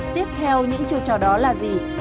tiếp theo những chiêu trò đó là gì